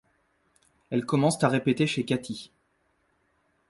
Elles commencent à répéter chez Katty.